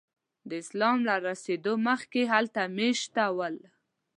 د اسلام له رسېدو مخکې هلته میشته ول.